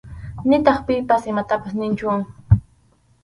Nitaq pipas imatapas niqchu.